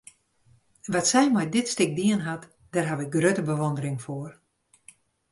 Wat sy mei dit stik dien hat, dêr haw ik grutte bewûndering foar.